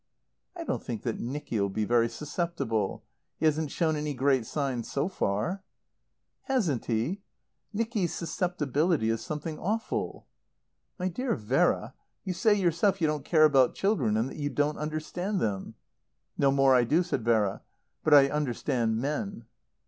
"I don't think that Nicky'll be very susceptible. He hasn't shown any great signs so far." "Hasn't he! Nicky's susceptibility is something awful." "My dear Vera, you say yourself you don't care about children and that you don't understand them." "No more I do," said Vera. "But I understand men."